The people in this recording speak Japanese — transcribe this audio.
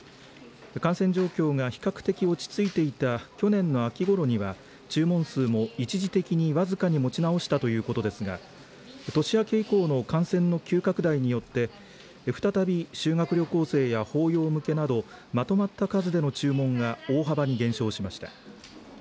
感染状況が比較的落ち着いていた去年の秋ごろには注文数も一時的に僅かに持ち直したということですが年明け以降の感染の急拡大によって再び修学旅行生や法要向けなどまとまった数での注文が大幅に減少しました。